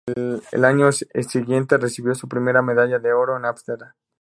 Al año siguiente, recibió su primera medalla de oro en Ámsterdam.